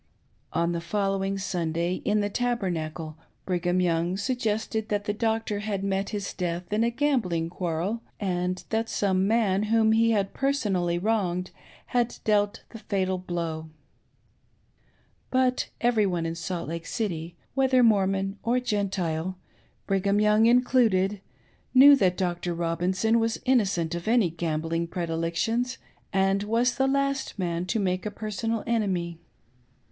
On the fol lowing Sunday, in the Tabernacle, Brigham Young suggested that the doctor had met his death in a gambling quarrel, and that some man whom he had personally wronged had dealt the fatal blow. But every one in Sa^t Lake City — whether Mor mon or Gentile, Brigham Young included — knew that Dr. Robinson was innocent of any gambling predilections, and was the last man to make a personal enemy.